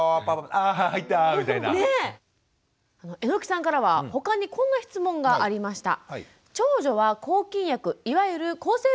榎さんからは他にこんな質問がありました。